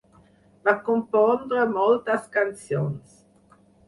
Va compondre moltes cançons.